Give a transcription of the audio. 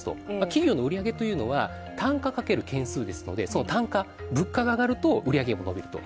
企業の売り上げというのは、単価×件数ですので、その単価、物価が上がると売り上げも伸びると。